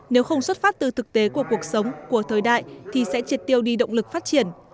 nếu không xuất phát từ thực tế của cuộc sống của thời đại thì sẽ triệt tiêu đi động lực phát triển